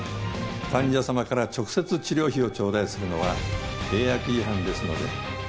患者様から直接治療費を頂戴するのは契約違反ですので。